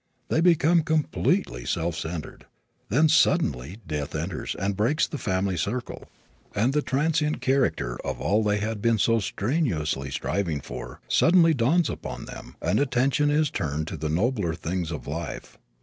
They become completely self centered. Then suddenly death enters and breaks the family circle, and the transient character of all they had been so strenuously striving for suddenly dawns upon them, and attention is turned to the nobler things of life.